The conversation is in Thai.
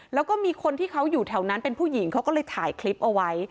แล้วก็มีคนที่เขาอยู่แถวนั้นเป็นผู้หญิงเขาก็เลยถ่ายคลิปเอาไว้